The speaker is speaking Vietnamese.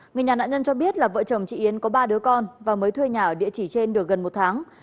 người nhà nạn nhân cho biết là vợ chồng chị yến có ba đứa con và mới thuê nhà ở địa chỉ trên được gần một tháng